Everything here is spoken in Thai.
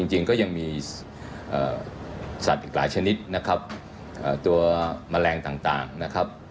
จริงก็ยังมีสัตว์อีกหลายชนิดนะครับตัวแมลงต่างนะครับ